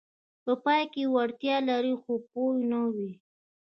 پای کې وړتیا لري خو پوه نه وي: